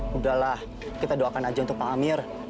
sudahlah kita doakan saja untuk pak amir